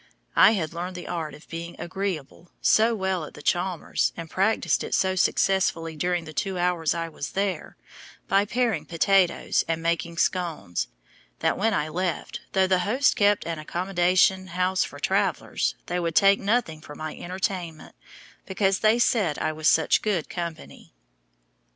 I had learned the art of "being agreeable" so well at the Chalmers's, and practiced it so successfully during the two hours I was there, by paring potatoes and making scones, that when I left, though the hosts kept "an accommodation house for travelers," they would take nothing for my entertainment, because they said I was such "good company"!